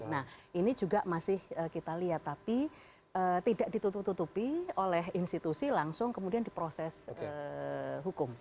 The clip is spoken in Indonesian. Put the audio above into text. nah ini juga masih kita lihat tapi tidak ditutup tutupi oleh institusi langsung kemudian diproses hukum